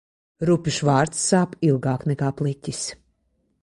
Rupjš vārds sāp ilgāk nekā pliķis.